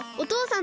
ん？